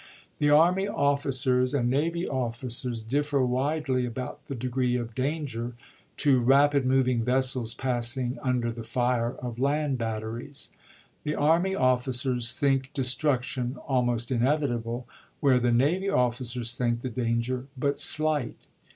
The army officers and navy officers differ widely about the degree of danger to rapid moving vessels passing under the fire of land batteries. The army officers think de struction almost inevitable, where the navy officers think the danger but slight.